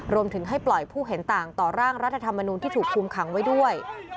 ให้ปล่อยผู้เห็นต่างต่อร่างรัฐธรรมนูลที่ถูกคุมขังไว้ด้วย